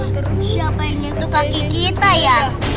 terus siapa yang menyentuh kaki kita ya